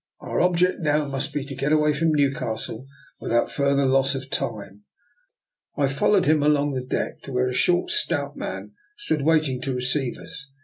Our object now must be to get away from Newcastle without further loss of time." I followed him along the deck to where a short, stout man stood waiting to receive us.